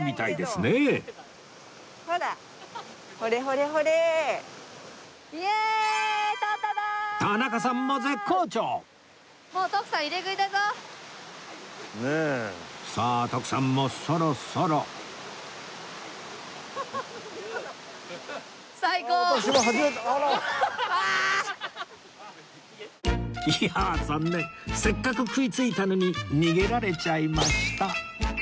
せっかく食いついたのに逃げられちゃいました